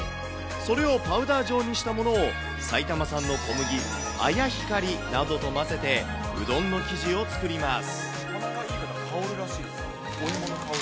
それをパウダー状にしたものを埼玉産の小麦、あやひかりなどと混ぜて、うどんの生地を作ります。